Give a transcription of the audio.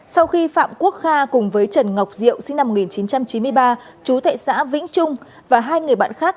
sau khi phạm quốc kha cùng với trần ngọc diệu sinh năm một nghìn chín trăm chín mươi ba chú thệ xã vĩnh trung và hai người bạn khác